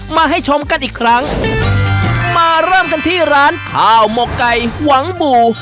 มาให้ชมกันอีกครั้งมาเริ่มกันที่ร้านข้าวหมกไก่หวังบู่